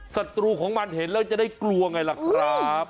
ศัตรูของมันเห็นแล้วจะได้กลัวไงล่ะครับ